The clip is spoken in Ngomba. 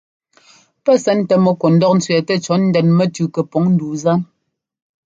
Pɛ́ sɛntɛ mɛku ńdɔk ńtsẅɛ́ɛtɛ cɔ̌ ndɛn mɛtʉʉ kɛpɔŋ ndu zan.